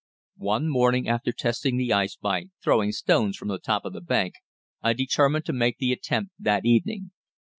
One morning after testing the ice by throwing stones from the top of the bank I determined to make the attempt that evening.